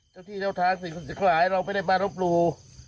เจ้าที่เจ้าทางสิ่งทั้งหลายเราไม่ได้มารบหลู่